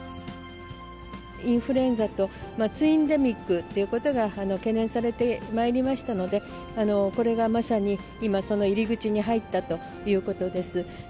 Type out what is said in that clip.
インフルエンザと、ツインデミックということが懸念されてまいりましたので、これがまさに今、その入り口に入ったということです。